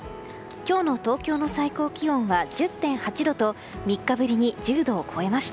今日の東京の最高気温は１０．８度と３日ぶりに１０度を超えました。